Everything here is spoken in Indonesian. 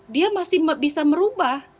dia masih bisa merubah